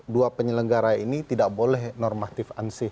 dua penyelenggara ini tidak boleh normatif ansih